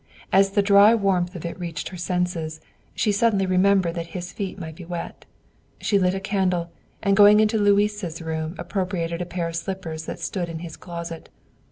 As the dry warmth of it reached her senses, she suddenly remembered that his feet might be wet. She lit a candle, and going into Louis's room, appropriated a pair of slippers that stood in his closet.